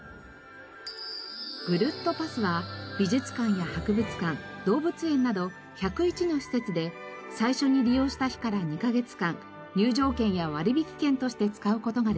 ぐるっとパスは美術館や博物館動物園など１０１の施設で最初に利用した日から２カ月間入場券や割引券として使う事ができます。